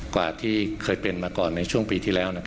กว่าที่เคยเป็นมาก่อนในช่วงปีที่แล้ว